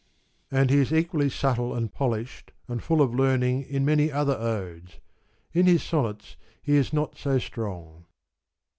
136 And he is equally subtle and polished and full of learning in many other Odes. In his Sonnets he is not so strong.